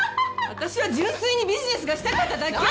私は純粋にビジネスがしたかっただけ。